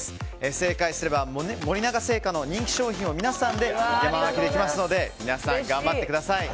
正解すれば森永製菓の人気商品を皆さんで山分けできますので皆さん頑張ってください。